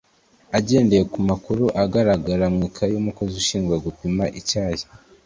agendeye ku makuru agaragara mu ikayi y’umukozi ushinzwe gupima icyayi